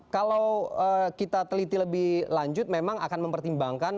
kalau kita teliti lebih lanjut memang akan mempertimbangkan